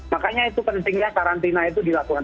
makanya itu pentingnya karantina itu dilakukan